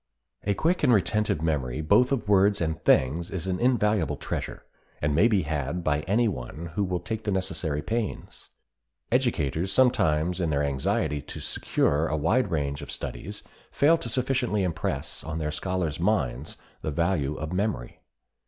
A quick and retentive memory both of words and things is an invaluable treasure, and may be had by any one who will take the necessary pains. Educators sometimes in their anxiety to secure a wide range of studies fail to sufficiently impress on their scholars' minds the value of memory.